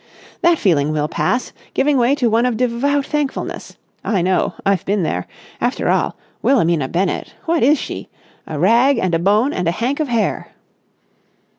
"That feeling will pass, giving way to one of devout thankfulness. I know. I've been there. After all ... Wilhelmina Bennett ... what is she? A rag and a bone and a hank of hair!"